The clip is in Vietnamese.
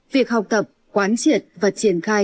việc học tập quán triệt và triển khai